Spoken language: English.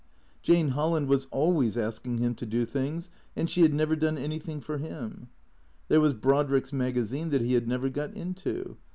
Jane Holland was always asking him to do things, and she had never done anything for him. There was Brodrick's magazine that he had never got into.